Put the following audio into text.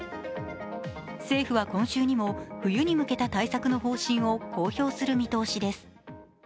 政府は今週にも冬に向けた対策の方針を公表する見通しです。